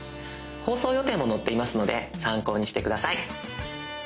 放送予定も載っていますので参考にして下さい。